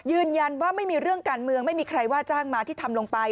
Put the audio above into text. ยืนยันว่าไม่มีเรื่องการเมืองไม่มีใครว่าจ้างมาที่ทำลงไป